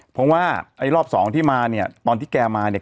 เพราะว่าไอ้รอบสองที่มาเนี่ยตอนที่แกมาเนี่ย